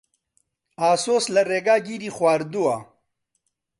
ئاسۆس لە ڕێگا گیری خواردووە.